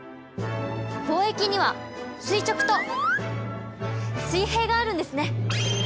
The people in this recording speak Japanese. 貿易には垂直と水平があるんですね。